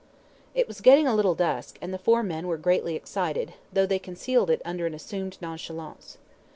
It was getting a little dusk, and the four men were greatly excited, though they concealed it under an assumed nonchalance.